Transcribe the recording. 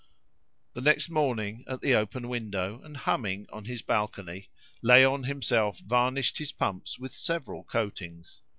The next morning, at the open window, and humming on his balcony, Léon himself varnished his pumps with several coatings.